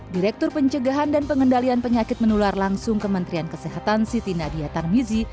direktur pencegahan dan pengendalian penyakit menular langsung kementerian kesehatan siti nadia tarmizi